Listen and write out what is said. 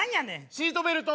シートベルト！